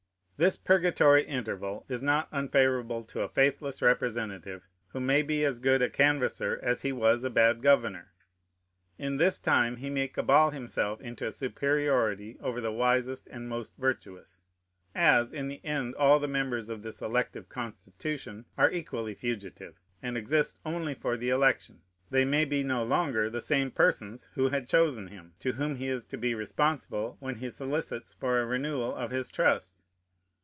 This purgatory interval is not unfavorable to a faithless representative, who may be as good a canvasser as he was a bad governor. In this time he may cabal himself into a superiority over the wisest and most virtuous. As, in the end, all the members of this elective Constitution are equally fugitive, and exist only for the election, they may be no longer the same persons who had chosen him, to whom he is to be responsible when he solicits for a renewal of his trust.